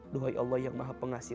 duhai allah yang maha pengasih